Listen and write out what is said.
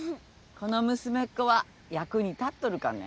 この娘っ子は役に立っとるかね？